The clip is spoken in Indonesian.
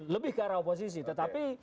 lebih ke arah oposisi tetapi